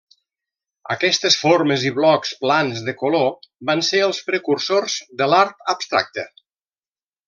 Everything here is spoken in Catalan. Aquestes formes i blocs plans de color van ser els precursors de l'art abstracte.